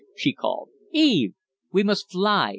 she called. "Eve! We must fly.